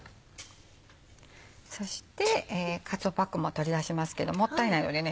そしてかつおパックも取り出しますけどもったいないのでね